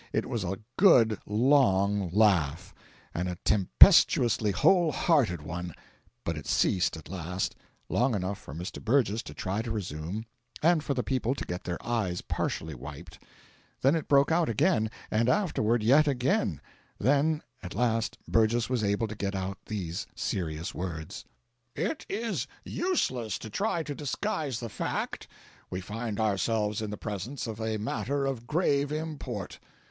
It was a good long laugh, and a tempestuously wholehearted one, but it ceased at last long enough for Mr. Burgess to try to resume, and for the people to get their eyes partially wiped; then it broke out again, and afterward yet again; then at last Burgess was able to get out these serious words: "It is useless to try to disguise the fact we find ourselves in the presence of a matter of grave import.